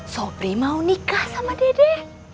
sopri mau nikah sama dede